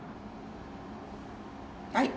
はい。